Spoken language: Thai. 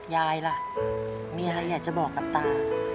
ยายล่ะมีอะไรอยากจะบอกกับตา